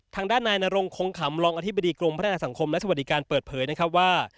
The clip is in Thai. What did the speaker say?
ทางด้านนายนรงคงขำรองอธิบดีกรมพัฒนาสังคมและสวัสดิการเปิดเผยนะครับว่า